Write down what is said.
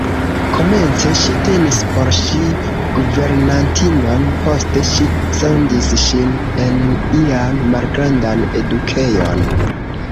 Komence ŝi tenis por ŝi guvernantinon, poste ŝi sendis ŝin en ian malgrandan edukejon.